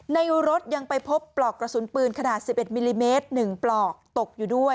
ในรถยังไปพบปลอกกระสุนปืนขนาด๑๑มิลลิเมตร๑ปลอกตกอยู่ด้วย